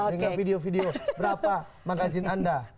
dengan video video berapa menghasilkan anda